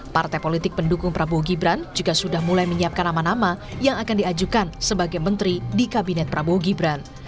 partai politik pendukung prabowo gibran juga sudah mulai menyiapkan nama nama yang akan diajukan sebagai menteri di kabinet prabowo gibran